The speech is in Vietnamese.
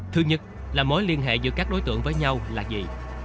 thứ nhất là mối liên hệ giữa các đối tượng với nhau là gì